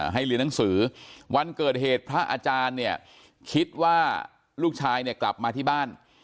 ให้เรียนหนังสือวันเกิดเหตุพระอาจารย์เนี่ยคิดว่าลูกชายเนี่ยกลับมาที่บ้าน